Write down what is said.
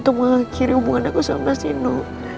untuk mengakhiri hubungan aku sama mas nino